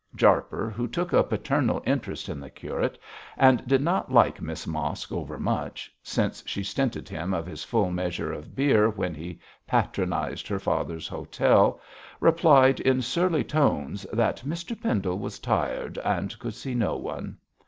Jarper, who took a paternal interest in the curate, and did not like Miss Mosk over much, since she stinted him of his full measure of beer when he patronised her father's hotel, replied in surly tones that Mr Pendle was tired and would see no one.